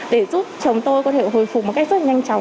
để giúp chồng tôi có thể hồi phục một cách rất là nhanh chóng